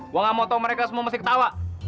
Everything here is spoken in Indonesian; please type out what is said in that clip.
gue gak mau tau mereka semua masih ketawa